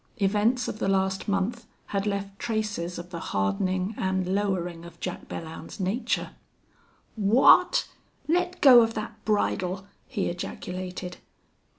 Events of the last month had left traces of the hardening and lowering of Jack Belllounds's nature. "Wha at?... Let go of that bridle!" he ejaculated.